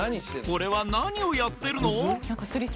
これは何をやってるの？